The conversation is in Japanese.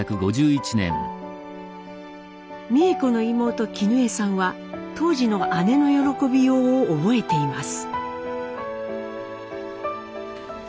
美枝子の妹絹江さんは当時の姉の喜びようを覚えています。